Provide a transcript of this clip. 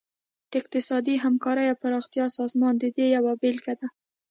د اقتصادي همکارۍ او پراختیا سازمان د دې یوه بیلګه ده